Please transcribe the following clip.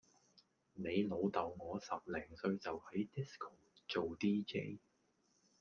你老豆我十零歲就喺 disco 做 dj